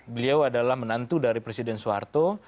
beliau adalah menantu dari presiden soeharto